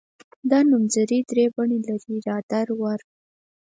دا نومځري درې بڼې لري را در ور.